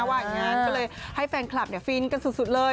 ว่าอย่างนั้นก็เลยให้แฟนคลับฟินกันสุดเลย